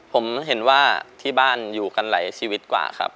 ผมเห็นว่าที่บ้านอยู่กันหลายชีวิตกว่าครับ